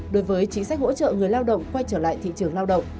đối với chính sách hỗ trợ người lao động quay trở lại thị trường lao động